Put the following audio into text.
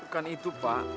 bukan itu pak